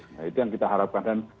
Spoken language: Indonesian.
nah itu yang kita harapkan